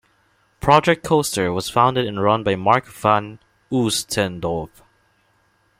Project Coster was founded and run by Marc van Oostendorp.